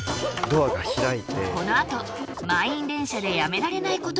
このあと満員電車でやめられないこととは？